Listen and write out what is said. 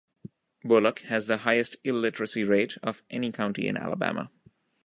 Bullock has the highest illiteracy rate of any county in Alabama.